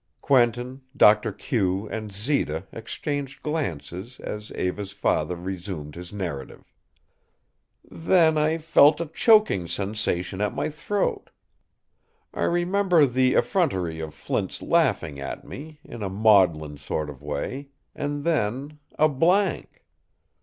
Quentin, Doctor Q, and Zita exchanged glances as Eva's father resumed his narrative. "Then I felt a choking sensation at my throat. I remember the effrontery of Flint's laughing at me, in a maudlin sort of way, and then a blank.